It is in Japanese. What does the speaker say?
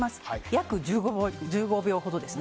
約１５秒ほどです。